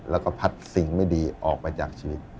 แล้วก็พัดสิ่งไม่ดีออกไปจากชีวิต